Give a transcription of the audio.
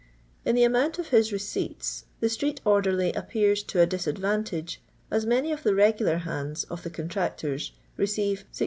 In the amount of his receipts, the street orderly appears to a disadvantage, as many of the "regular hands" of the contractors receive 16*.